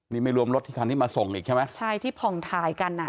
นี่ไม่รวมรถที่คันนี้มาส่งอีกใช่ไหมใช่ที่ผ่องถ่ายกันอ่ะ